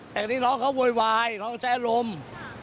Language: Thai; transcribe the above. แต่อันนี้น้องเขาโวยวายน้องใช้อารมณ์